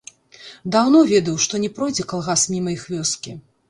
Даўно ведаў, што не пройдзе калгас міма іх вёскі.